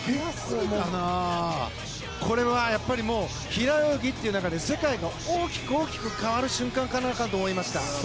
これはやっぱり平泳ぎっていう中で世界が大きく変わる瞬間だと思いました。